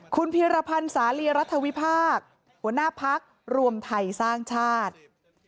คุณพีรพันธ์สาลีรัฐวิพากษ์หัวหน้าพักรวมไทยสร้างชาติ